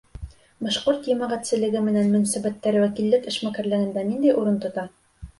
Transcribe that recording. — Башҡорт йәмәғәтселеге менән мөнәсәбәттәр вәкиллек эшмәкәрлегендә ниндәй урын тота?